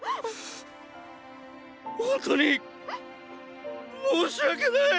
本当に申し訳ない！